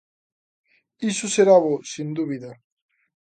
Iso será bo, sen dúbida.